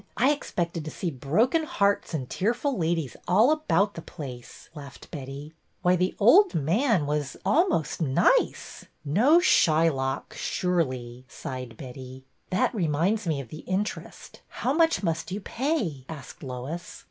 I expected to see broken hearts and tearful ladies all about 'the place," laughed Betty. " Why, the old man was — almost — nice !" No Shylock, surely," sighed Betty. That reminds me of the interest. How much must you pay? " asked Lois.